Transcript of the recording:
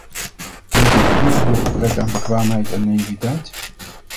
Komt dit puur door gebrek aan bekwaamheid en naïviteit?